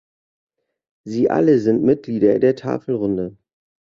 Sie alle sind Mitglieder der Tafelrunde.